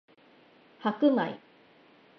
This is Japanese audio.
白米